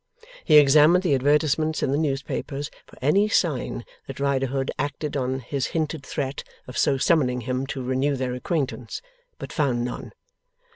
He examined the advertisements in the newspapers for any sign that Riderhood acted on his hinted threat of so summoning him to renew their acquaintance, but found none.